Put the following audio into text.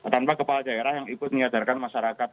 tanpa kepala daerah yang ikut menyadarkan masyarakat